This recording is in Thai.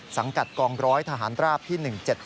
สังกัดกองร้อยทหารราบที่๑๗๗